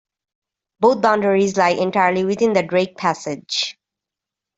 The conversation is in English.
Both boundaries lie entirely within the Drake Passage.